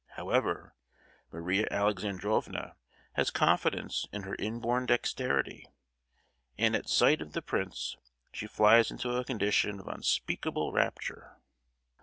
However, Maria Alexandrovna has confidence in her inborn dexterity, and at sight of the prince she flies into a condition of unspeakable rapture.